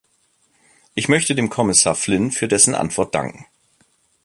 Ich möchte dem Kommissar Flynn für dessen Antwort danken.